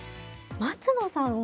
松野さん